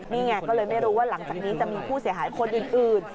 นี่ไงก็เลยไม่รู้ว่าหลังจากนี้จะมีผู้เสียหายคนอื่น